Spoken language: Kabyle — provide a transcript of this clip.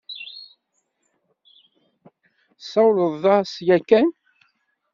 Tessawleḍ-as yakan?